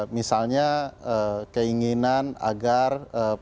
misalnya keinginan agar pencalonan presiden